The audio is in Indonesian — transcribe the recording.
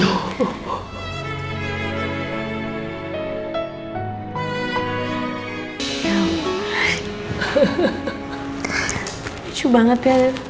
cucu banget ya